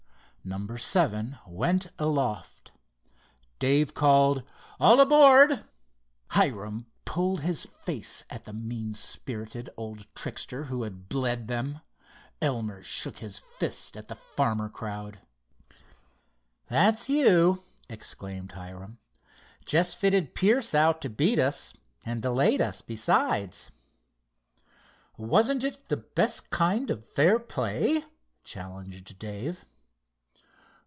Number seven went aloft. Dave called "all aboard!" Hiram pulled his face at the mean spirited old trickster who had bled them. Elmer shook his fist at the farmer crowd. "That's you!" exclaimed Hiram. "Just fitted Pierce out to beat us, and delayed us, besides." "Wasn't it the best kind of fair play?" challenged Dave.